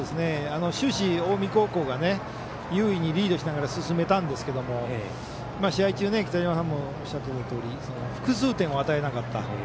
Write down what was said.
終始、近江高校が優位にリードしながら進めたんですけれども試合中、北嶋さんもおっしゃっていたとおり複数点を与えなかった。